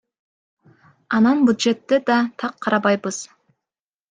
Анан бюджетте да так карабайбыз.